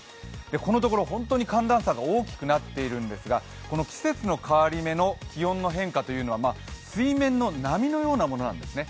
このところ本当に寒暖差が本当に大きくなっているんですが季節の変わり目の気温の変化というのは水面の波のようなものなんですね。